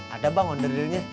ada bang ondrilnya